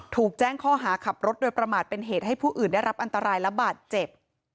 ถูกแจ้งข้อหาขับรถโดยประมาทเป็นเหตุให้ผู้อื่นได้รับอันตรายและบาดเจ็บ